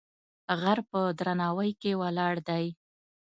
غر په درناوی کې ولاړ دی.